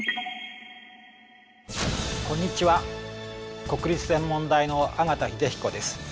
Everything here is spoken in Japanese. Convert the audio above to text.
こんにちは国立天文台の縣秀彦です。